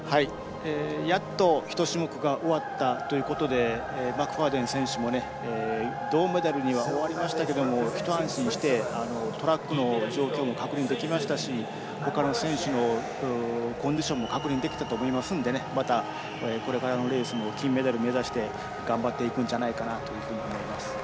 やっと１種目が終わったということでマクファーデン選手も銅メダルには終わりましたが一安心してトラックの状況も確認できましたしほかの選手のコンディションも確認できたと思いますのでまたこれからのレースも金メダル目指して頑張っていくんじゃないかと思います。